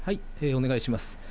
お願いします。